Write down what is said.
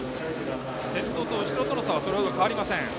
先頭と後ろとの差はそれほど変わりません。